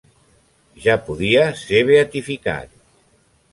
Ja podia ser beatificat.